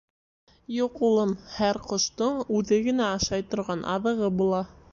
— Юҡ, улым, һәр ҡоштоң үҙе генә ашай торған аҙығы була.